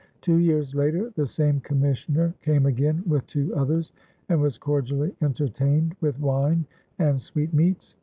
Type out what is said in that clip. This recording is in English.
Two years later the same commissioner came again, with two others, and was cordially entertained with "wine and sweetmeats."